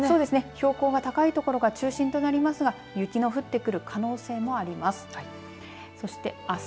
標高が高い所が中心となりますが雪の降ってくる可能性もあります。